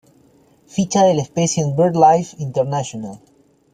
Ficha de la especie en BirdLife International